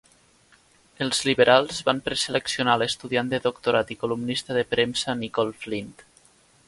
Els Liberals van preseleccionar a l'estudiant de doctorat i columnista de premsa Nicolle Flint.